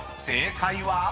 ［正解は？］